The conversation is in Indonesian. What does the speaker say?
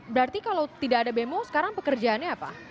berarti kalau tidak ada bemo sekarang pekerjaannya apa